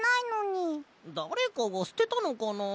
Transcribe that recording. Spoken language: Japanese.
だれかがすてたのかな？